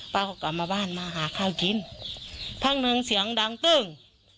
เขาก็กลับมาบ้านมาหาข้าวกินพักหนึ่งเสียงดังตึ้ง